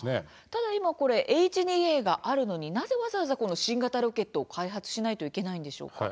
ただ、今Ｈ２Ａがあるのになぜわざわざ新型ロケットを開発しないといけないんでしょうか。